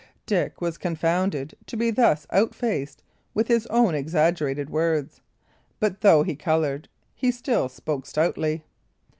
Dick was confounded to be thus outfaced with his own exaggerated words; but though he coloured, he still spoke stoutly.